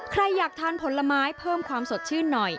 อยากทานผลไม้เพิ่มความสดชื่นหน่อย